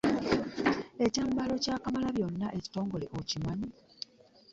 Ekyambalo kya Kamalabyonna ekitongole okimanyi?